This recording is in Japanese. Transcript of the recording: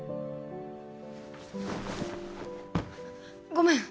ごめん。